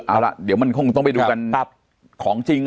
เอาล่ะเดี๋ยวมันคงต้องไปดูกันของจริง